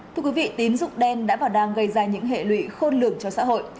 thưa quý vị tín dụng đen đã vào đàng gây ra những hệ lụy khôn lường cho xã hội